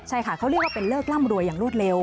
ใช่ค่ะเขาเรียกว่าเป็นเลิกร่ำรวยอย่างรวดเร็ว